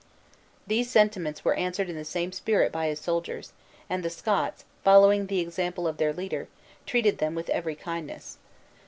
These sentiments were answered in the same spirit by his soldiers; and the Scots, following the example of their leader, treated them with every kindness.